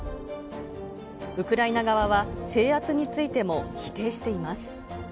ウクライナ側は、制圧についても否定しています。